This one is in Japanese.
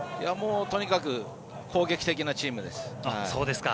とにかく攻撃的なチームです。